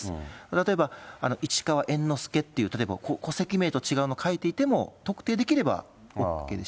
例えば市川猿之助っていう、例えば戸籍名とは違うの書いていても、特定できればＯＫです。